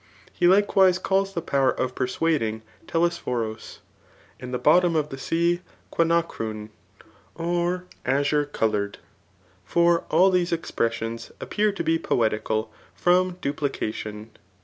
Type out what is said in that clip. He like* wise calls the power of persuading, telespharos; and the bottom of the sea kuanechraony or axure coloured. Foir all these expressions appear to be poedcal from duplica* . tion.